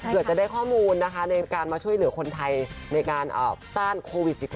จะได้ข้อมูลนะคะในการมาช่วยเหลือคนไทยในการต้านโควิด๑๙